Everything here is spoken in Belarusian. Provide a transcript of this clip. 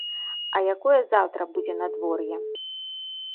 А якое заўтра будзе надвор'е?